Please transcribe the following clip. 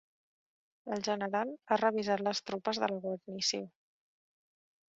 El general ha revistat les tropes de la guarnició.